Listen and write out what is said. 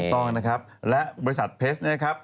ต้องนะครับและบริษัทเพชรนะครับ